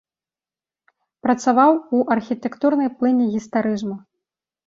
Працаваў у архітэктурнай плыні гістарызму.